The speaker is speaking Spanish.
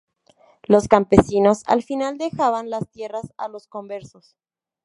Los campesinos al final dejaban las tierras a los conversos.